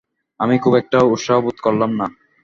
আমি খুব একটা উৎসাহ বোধ করলাম না।